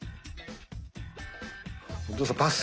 お父さんパス！